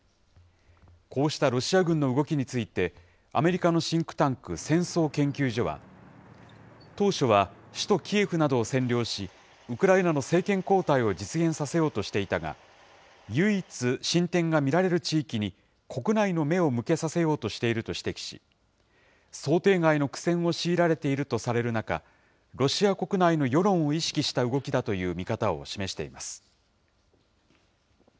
こうしたロシア軍の動きについて、アメリカのシンクタンク、戦争研究所は、当初は、首都キエフなどを占領し、ウクライナの政権交代を実現させようとしていたが、唯一、進展が見られる地域に、国内の目を向けさせようとしていると指摘し、想定外の苦戦を強いられているとされる中、ロシア国内の世論を意識した動きだという見方を示しています。